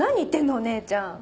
お姉ちゃん。